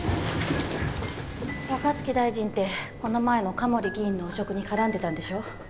若槻大臣ってこの前の加森議員の汚職に絡んでたんでしょ？